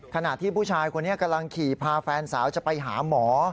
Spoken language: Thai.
ขณะที่ผู้ชายคนนี้กำลังขี่พาแฟนสาวจะไปหาหมอ